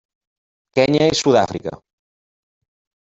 Kenya i Sud-àfrica.